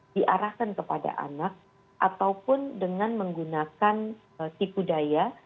diarahkan kepada anak ataupun dengan menggunakan tipu daya